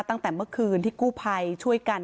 ตั้งแต่เมื่อคืนที่กู้ภัยช่วยกัน